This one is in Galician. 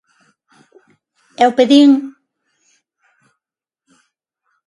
Eu pedín...